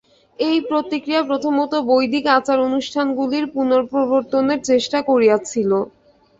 এই প্রতিক্রিয়া প্রথমত বৈদিক আচার-অনুষ্ঠানগুলির পুনঃপ্রবর্তনের চেষ্টা করিয়াছিল।